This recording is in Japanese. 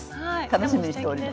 楽しみにしております。